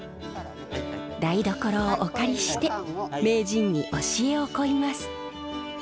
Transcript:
台所をお借りして名人に教えを乞います。